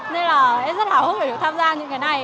nên là em rất là hức để được tham gia những cái này